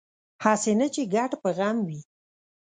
هسې نه چې ګډ په غم وي